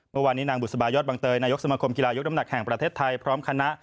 เมื่อวานนี้นางบุษบายอดบังเตยนายกสมคมกีฬายกน้ำหนักแห่งประเทศไทยพร้อมคณะ